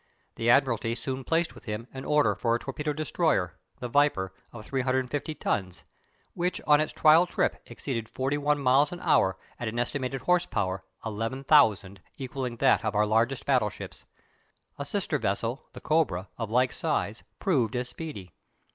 The Admiralty soon placed with him an order for a torpedo destroyer the Viper of 350 tons; which on its trial trip exceeded forty one miles an hour at an estimated horse power (11,000) equalling that of our largest battleships. A sister vessel, the Cobra, of like size, proved as speedy.